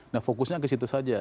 nah fokusnya ke situ saja